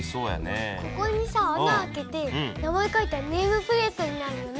ここにさ穴あけて名前書いたらネームプレートになるよね。